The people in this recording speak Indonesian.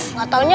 eh gak taunya